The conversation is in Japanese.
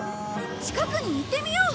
近くに行ってみよう。